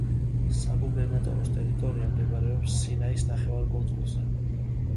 საგუბერნატოროს ტერიტორია მდებარეობს სინაის ნახევარკუნძულზე.